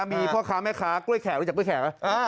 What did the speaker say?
มีพ่อค้าแม่ค้ากล้วยแขกรู้จักกล้วยแขกป่ะ